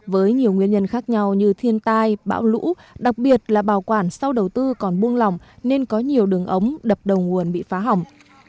với nhiều nguyên nhân khác nhau như thiên tai bão lũ đặc biệt là bảo quản sau đầu tư còn buông lỏng nên có nhiều đường ống đập đầu nguồn bị phá hỏng